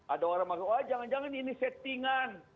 ada orang bilang jangan jangan ini settingan